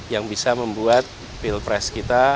yang bisa membuat pilpres kita